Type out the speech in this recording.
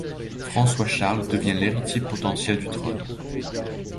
François-Charles devient l'héritier potentiel du trône.